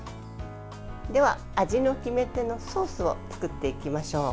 では、味の決め手のソースを作っていきましょう。